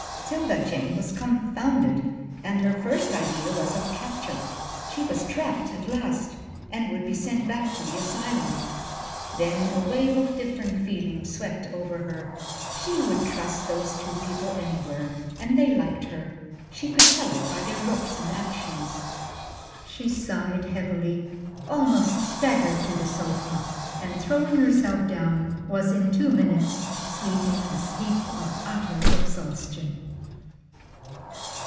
'Tilda Jane was confounded, and her first idea was of capture. She was trapped at last, and would be sent back to the asylum then a wave of different feeling swept over her. She would trust those two people anywhere, and they liked her. She could tell it by their looks and actions. She sighed heavily, almost staggered to the sofa, and throwing herself down, was in two minutes sleeping the sleep of utter exhaustion.